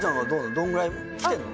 どんぐらいきてんの？